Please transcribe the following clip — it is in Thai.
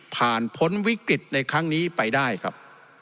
ผ่านพ้นวิกฤตในครั้งนี้ไปได้ครับ